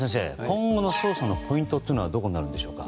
今後の捜査のポイントはどこになるんでしょうか。